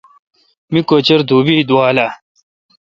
می کچر دوبی اے°دُوال اہ۔